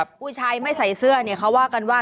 ผู้ชายไม่ใส่เสื้อเนี่ยเขาว่ากันว่า